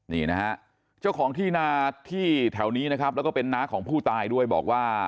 นี่นะฮะเจ้าของที่นาที่แถวนี้นะครับแล้วก็เป็นน้าของผู้ตายด้วยบอกว่า